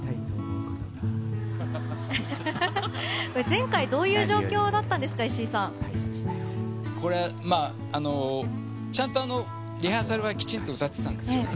前回どういう状況だったんですか石井さん。これは、ちゃんとリハーサルはきちんと歌っていたんですけど